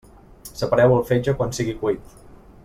Separeu el fetge quan sigui cuit.